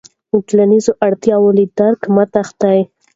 د ټولنیزو اړتیاوو له درکه مه تېښته.